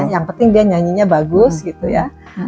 yang penting dia nyanyinya bagus gitu ya